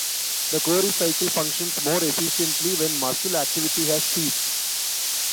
The Cori cycle functions more efficiently when muscle activity has ceased.